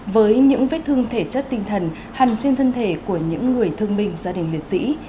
với những vết thương thể chất tinh thần hành trên thân thể của những người thương binh gia đình liệt sĩ